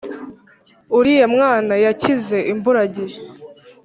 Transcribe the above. uriya mwana yakize imburagihe